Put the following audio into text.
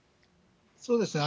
そうですね。